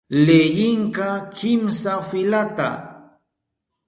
Leyinki kimsa filata.